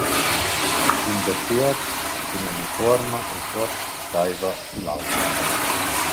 Ün dazier cun unifuorma e tuot staiva süll’aula.